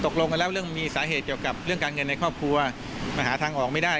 ตกลงกันแล้วเรื่องมีสาเหตุเกี่ยวกับเรื่องการเงินในครอบครัวมันหาทางออกไม่ได้